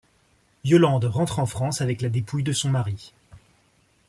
Yolande rentre en France avec la dépouille de son mari.